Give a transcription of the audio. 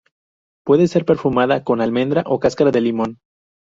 Puede ser perfumada con almendra o cáscara de limón.